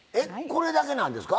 これだけなんですか。